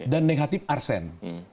dan negatif arsen